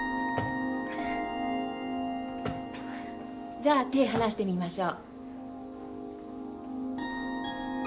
じゃあ手離してみましょう。